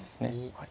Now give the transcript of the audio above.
はい。